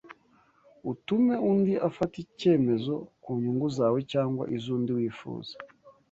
utume undi afata ikemezo ku nyungu zawe, cyangwa iz’undi wifuza